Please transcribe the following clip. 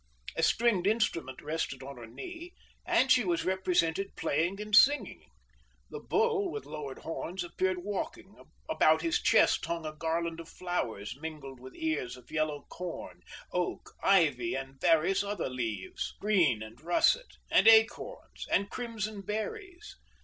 A stringed instrument rested on her knee, and she was represented playing and singing. The bull, with lowered horns, appeared walking; about his chest hung a garland of flowers mingled with ears of yellow corn, oak, ivy, and various other leaves, green and russet, and acorns and crimson berries.